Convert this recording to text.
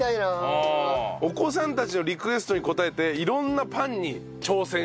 お子さんたちのリクエストに応えて色んなパンに挑戦していると。